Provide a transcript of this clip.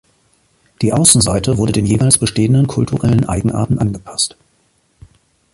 Die Außenseite wurde den jeweils bestehenden kulturellen Eigenarten angepasst.